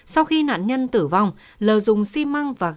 sau khi nạn nhân tử vong lờ dùng xi măng và gây